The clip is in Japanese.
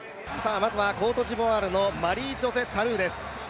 まずはコートジボワールのマリージョセ・タルーです。